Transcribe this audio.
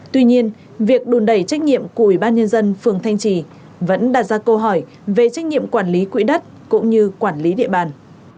tuy nhiên việc đùn đẩy trách nhiệm của ủy ban nhân dân phường thanh trì vẫn đặt ra câu hỏi về trách nhiệm quản lý quỹ đất cũng như quản lý địa bàn